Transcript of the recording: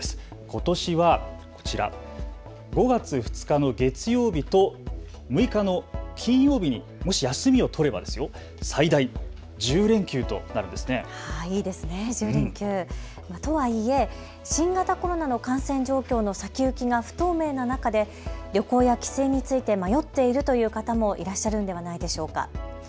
ことしはこちら、５月２日の月曜日と６日の金曜日にもし休みを取れば最大１０連休となるんですね。とはいえ新型コロナの感染状況の先行きが不透明な中で旅行や帰省について迷っているという方もいらっしゃるんではないでしょうか。